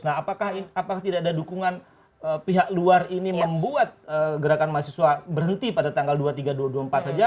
nah apakah tidak ada dukungan pihak luar ini membuat gerakan mahasiswa berhenti pada tanggal dua puluh tiga dua puluh empat saja